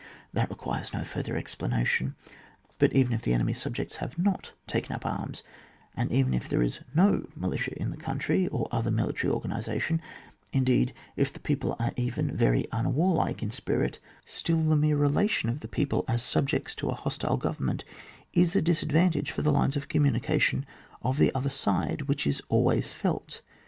That requires no further explanation. But even if the enemy's subjects have not taken up arms, and even if there is no militia m the country, or other military organisation, indeed if the people are even very unwarhke in spirit, still the mere relation of the people as subjects to a hostile government is a disadvantage for the lines of communication of the other side which is always felt.